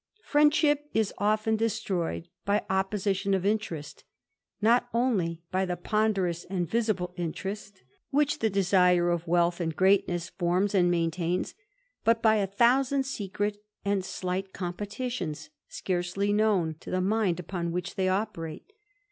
idship is often destroyed by opposition of interest, ly by the ponderous and visible interest which the Df wealth and greatness forms and maintains, but by sand secret and slight competitions, scarcely known mind upon which they operate.